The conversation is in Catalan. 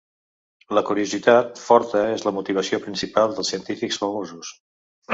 La curiositat forta és la motivació principal de científics famosos.